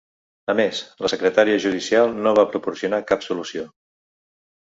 A més, la secretària judicial no va proporcionar cap solució.